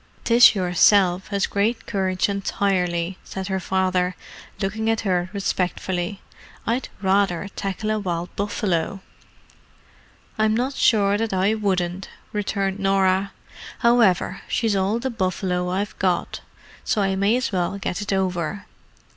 "'Tis yourself has great courage entirely," said her father, looking at her respectfully. "I'd rather tackle a wild buffalo!" "I'm not sure that I wouldn't," returned Norah. "However, she's all the buffalo I've got, so I may as well get it over."